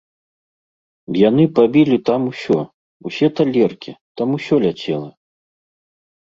Яны пабілі там усё, усе талеркі, там усё ляцела!